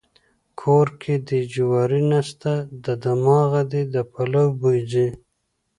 کور کې دې جواري نسته د دماغه دې د پلو بوی ځي.